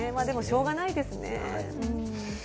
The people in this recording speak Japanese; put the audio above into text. でも、しょうがないですね。